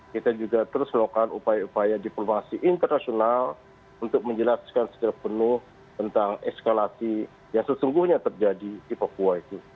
kita juga terus melakukan upaya upaya diplomasi internasional untuk menjelaskan secara penuh tentang eskalasi yang sesungguhnya terjadi di papua itu